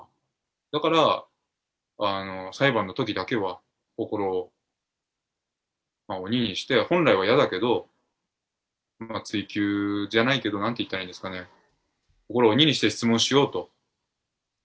だから、裁判のときだけは心を鬼にして、本来は嫌だけど、追及じゃないけど、なんて言ったらいいんですかね、心を鬼にして質問しようと。